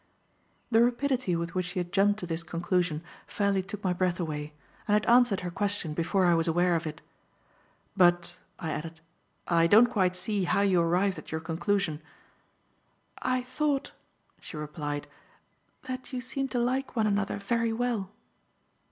The rapidity with which she had jumped to this conclusion fairly took my breath away, and I had answered her question before I was aware of it. "But," I added, "I don't quite see how you arrived at your conclusion." "I thought," she replied, "that you seemed to like one another very well."